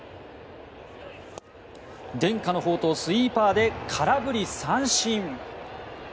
伝家の宝刀スイーパーで空振り三振。